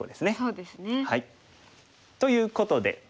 そうですね。ということで。